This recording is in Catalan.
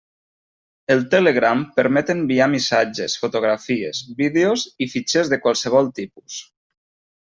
El Telegram permet enviar missatges, fotografies, vídeos i fitxers de qualsevol tipus.